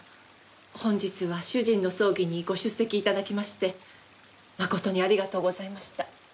本日は主人の葬儀にご出席頂きまして誠にありがとうございました。